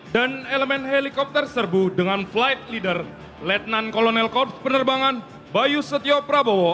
dan elemen helikopter serbu dengan flight leader lieutenant kolonel kops penerbangan bayu setiaw prabowo